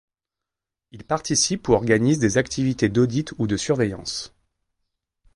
Il participe ou organise des activités d'audits ou de surveillances.